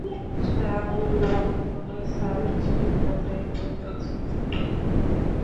সাফকাত বলল, স্যার ঠিক কথাই বলেছেন।